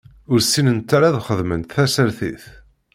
Ur ssinent ara ad xedment tasertit.